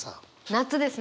夏ですね。